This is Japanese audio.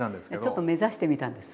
ちょっと目指してみたんです。